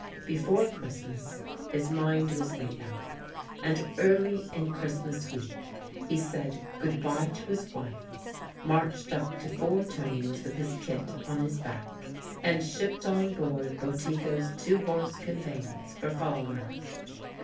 Before Christmas his mind was made up; and early in Christmas week he said good bye to his wife, marched up to Four Turnings with his kit on his back, and shipped on board Boutigo's Two Horse Conveyance for Falmouth.